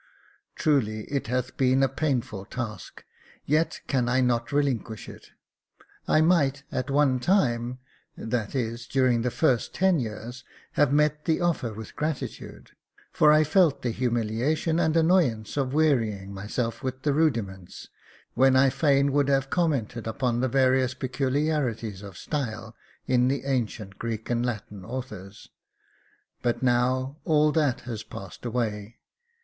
Truly, it hath been a painful task, yet can I not relinquish it. I might, at one time, that is, during the first ten years, have met the offer with grati tude ; for I felt the humiliation and annoyance of wearying myself with the rudiments, when I would fain have commented upon the various peculiarities of style in the ancient Greek and Latin authors ; but now, all that has passed away.